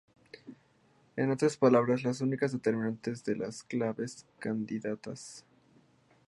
En otras palabras, los únicos determinantes son las claves candidatas.